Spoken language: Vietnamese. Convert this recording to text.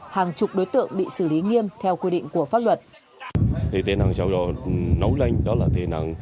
hàng chục đối tượng bị xử lý nghiêm theo quy định của pháp luật